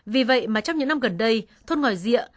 vì vậy mà trong những năm gần đây thôn ngòi rượu